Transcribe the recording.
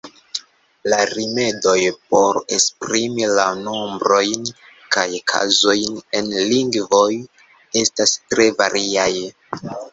La rimedoj por esprimi la nombrojn kaj kazojn en lingvoj estas tre variaj.